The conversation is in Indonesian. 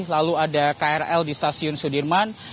lalu ada krl di stasiun sudirman